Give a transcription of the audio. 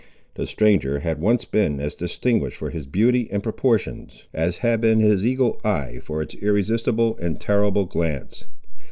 The stranger had once been as distinguished for his beauty and proportions, as had been his eagle eye for its irresistible and terrible glance.